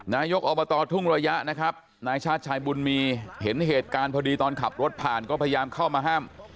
นายกอบตทุ่งระยะนะครับนายชาติชายบุญมีเห็นเหตุการณ์พอดีตอนขับรถผ่านก็พยายามเข้ามาห้าม